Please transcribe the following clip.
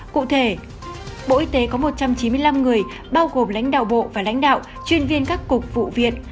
cụ thể bộ y tế có một trăm chín mươi năm người bao gồm lãnh đạo bộ và lãnh đạo chuyên viên các cục vụ viện